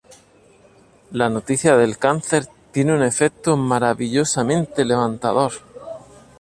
La noticia del cáncer tiene un efecto maravillosamente levantador.